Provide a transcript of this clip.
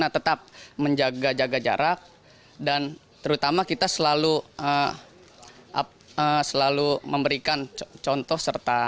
pemprov dki jakarta